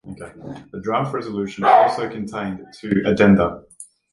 The draft resolution also contained two addenda.